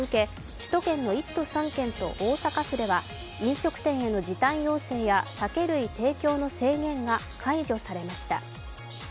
首都圏の１都３県と大阪府では飲食店への時短要請や酒類提供の制限が解除されました。